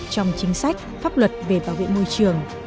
trong chính sách pháp luật về bảo vệ môi trường